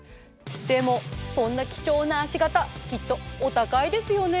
でもそんな貴重な足型きっとお高いですよね？